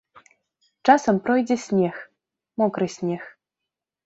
Часам пройдзе снег, мокры снег.